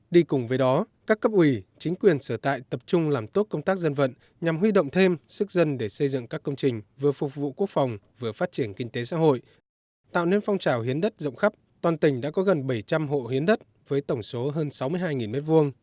đi cùng với đó các cấp ủy chính quyền sở tại tập trung làm tốt công tác dân vận nhằm huy động thêm sức dân để xây dựng các công trình vừa phục vụ quốc phòng vừa phát triển kinh tế xã hội tạo nên phong trào hiến đất rộng khắp toàn tỉnh đã có gần bảy trăm linh hộ hiến đất với tổng số hơn sáu mươi hai m hai